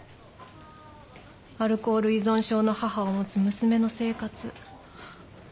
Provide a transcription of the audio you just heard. アルコール依存症の母を持つ娘の生活。